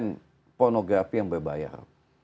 konten pornografi yang berbayar